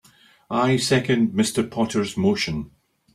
I second Mr. Potter's motion.